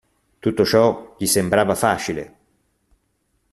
Tutto ciò gli sembrava facile.